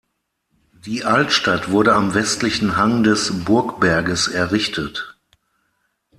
Die Altstadt wurde am westlichen Hang des Burgberges errichtet.